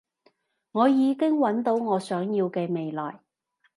我已經搵到我想要嘅未來